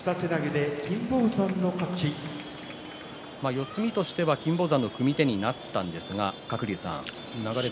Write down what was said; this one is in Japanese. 四つ身としては金峰山の組み手になったんですが鶴竜さん。